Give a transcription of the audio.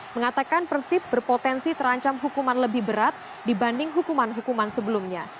mengatakan persib berpotensi terancam hukuman lebih berat dibanding hukuman hukuman sebelumnya